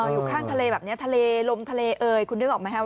อยู่ข้างทะเลแบบนี้ทะเลลมทะเลเอ่ยคุณนึกออกไหมครับ